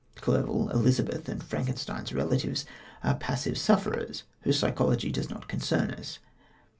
Clerval, Elizabeth and Frankenstein's relatives are passive sufferers whose psychology does not concern us.